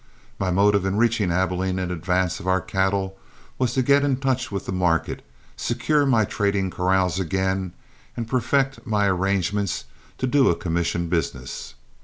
My motive in reaching Abilene in advance of our cattle was to get in touch with the market, secure my trading corrals again, and perfect my arrangements to do a commission business.